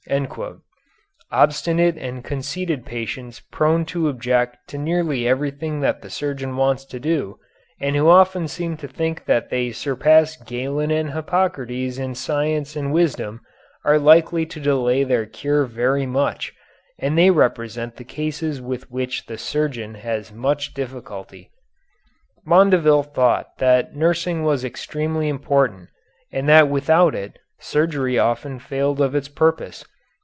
Obstinate and conceited patients prone to object to nearly everything that the surgeon wants to do, and who often seem to think that they surpass Galen and Hippocrates in science and wisdom, are likely to delay their cure very much, and they represent the cases with which the surgeon has much difficulty. Mondeville thought that nursing was extremely important and that without it surgery often failed of its purpose.